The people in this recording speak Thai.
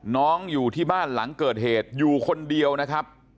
อยู่ที่บ้านหลังเกิดเหตุอยู่คนเดียวนะครับ